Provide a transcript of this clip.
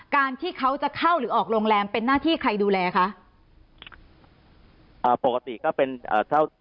การที่เขาจะเข้าหรือออกโรงแรมเป็นหน้าที่ใครดูแลคะอ่าปกติก็เป็นอ่าเช่า